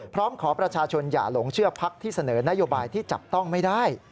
พร้อมขอประชาชนอย่าหลงเชื่อพักที่เสนอนโยบายที่จับต้องไม่ได้